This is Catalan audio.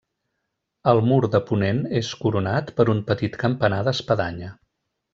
El mur de ponent és coronat per un petit campanar d'espadanya.